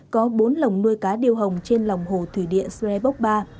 có bốn lồng nuôi cá điều hồng trên lòng hồ thủy điện sre bốc ba